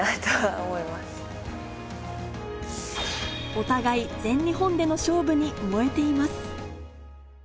お互い全日本での勝負に燃えています